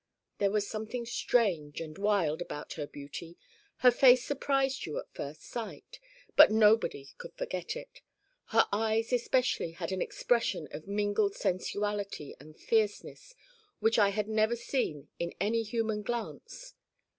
There was something strange and wild about her beauty. Her face surprised you at first sight but nobody could forget it. Her eyes especially had an expression of mingled sensuality and fierceness which I had never seen in any human glance.